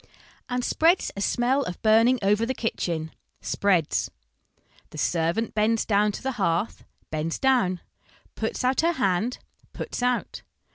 And spreads a smell of burning over the kitchen, spreads. The servant bends down to the hearth, bends doivn. Puts out her hand, puts out.